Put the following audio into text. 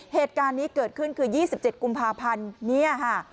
เหตุการณ์นี้เกิดขึ้นคือ๒๗กุมภาพันธ์เนี่ยค่ะ